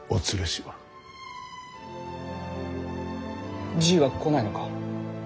じいは来ないのか。